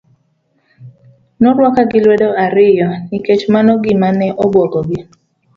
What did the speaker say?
Norwaka gi lwedo ariyo nikech mano gima ne obuogo gi.